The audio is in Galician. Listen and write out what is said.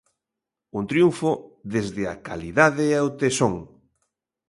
Un triunfo desde a calidade e o tesón.